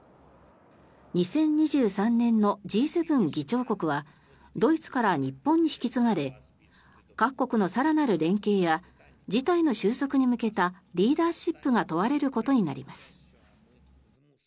２０２３年のＧ７議長国はドイツから日本に引き継がれ各国の更なる連携や事態の収束に向けたリーダーシップが問われることになります。